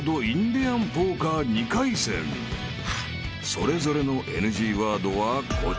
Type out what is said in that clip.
［それぞれのＮＧワードはこちら］